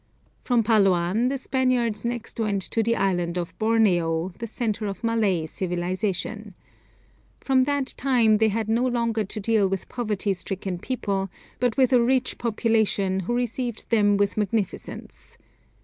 From Paloan, the Spaniards next went to the Island of Borneo, the centre of Malay civilization. From that time they had no longer to deal with poverty stricken people, but with a rich population, who received them with magnificence.